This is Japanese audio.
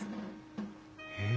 へえ。